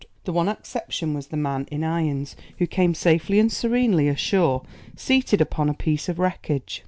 The one exception was a man in irons, who came safely and serenely ashore seated upon a piece of wreckage.